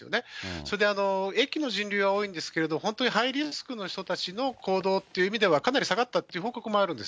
それで、駅の人流は多いんですけれども、本当にハイリスクの人の行動っていう意味では、かなり下がったっていう報告もあるんです。